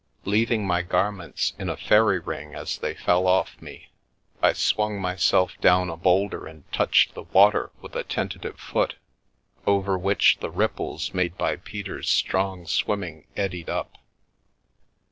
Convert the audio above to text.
Leav ing my garments in a fairy ring as they fell off me, I swung myself down a boulder and touched the water with a tentative foot, over which the ripples made by Peter's strong swimming eddied up.